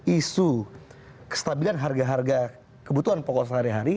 isu kestabilan harga harga kebutuhan pokok sehari hari